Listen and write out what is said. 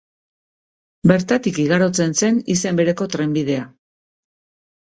Bertatik igarotzen zen izen bereko trenbidea.